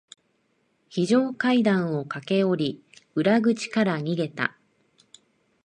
非常階段を駆け下り、裏口から逃げた。